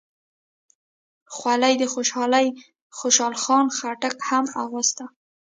خولۍ د خوشحال خان خټک هم اغوسته.